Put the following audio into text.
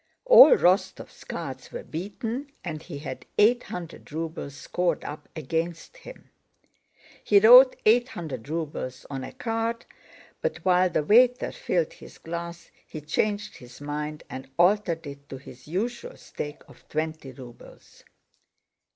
All Rostóv's cards were beaten and he had eight hundred rubles scored up against him. He wrote "800 rubles" on a card, but while the waiter filled his glass he changed his mind and altered it to his usual stake of twenty rubles.